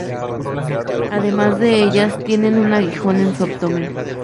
Además de ellas tienen un aguijón en su abdomen.